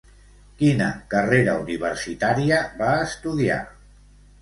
Quina carrera universitària va estudiar?